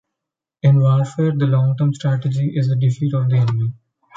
In warfare, the long term strategy is the defeat of the enemy.